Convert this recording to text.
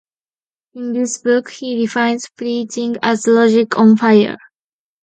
In this book, he defines preaching as Logic on fire.